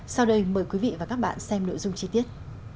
sau đây mời quý vị và các bạn xem nội dung chi tiết